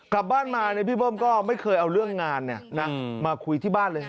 กลับบ้านมาพี่เบิ้มก็ไม่เคยเอาเรื่องงานมาคุยที่บ้านเลย